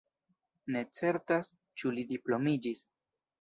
Ne certas ĉu li diplomiĝis.